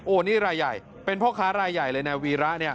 นี่รายใหญ่เป็นพ่อค้ารายใหญ่เลยนายวีระ